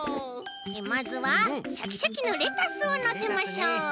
まずはシャキシャキのレタスをのせましょう！